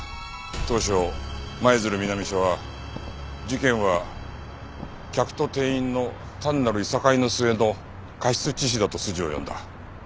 当初舞鶴南署は事件は客と店員の単なるいさかいの末の過失致死だと筋を読んだ。